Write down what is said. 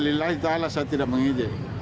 lillahi ta'ala saya tidak mengijik